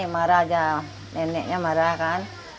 marah aja neneknya marah kan